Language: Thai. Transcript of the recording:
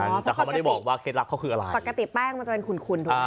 อ๋อเพราะปกติแต่เขาไม่ได้บอกว่าเคล็ดลับเขาคืออะไรปกติแป้งมันจะเป็นขุนขุนถูกค่ะ